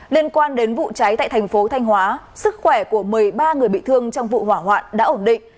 liên quan đến vụ cháy tại thành phố thanh hóa sức khỏe của một mươi ba người bị thương trong vụ hỏa hoạn đã ổn định